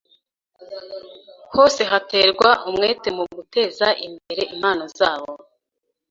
hose baterwa umwete mu guteza imbere impano zabo